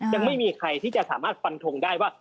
ยังไม่มีใครที่จะสามารถฟันทงได้ว่า